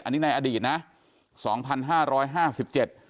อันนี้ในอดีตนะสองพันห้าร้อยห้าสิบเจ็ด